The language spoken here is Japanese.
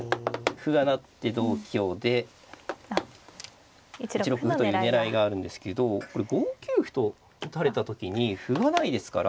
歩が成って同香で１六歩という狙いがあるんですけどこれ５九歩と打たれた時に歩がないですから。